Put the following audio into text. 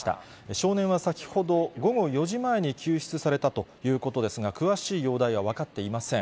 少年は先ほど午後４時前に救出されたということですが、詳しい容体は分かっていません。